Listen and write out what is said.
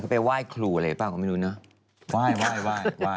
ไปไหว้ครูอะไรเปล่าก็ไม่รู้เนอะ